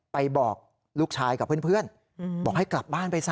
บอกลูกชายกับเพื่อนบอกให้กลับบ้านไปซะ